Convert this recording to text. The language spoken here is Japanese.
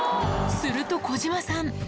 すると小島さん。